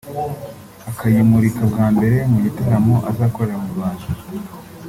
akayimurika bwa mbere mu gitaramo azakorera mu Rwanda